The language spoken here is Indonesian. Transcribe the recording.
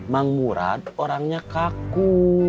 mang murad orangnya kaku